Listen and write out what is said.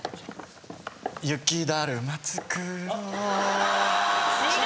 「雪だるまつくろう」違う。